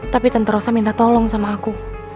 tapi tenterosa minta tolong sama aku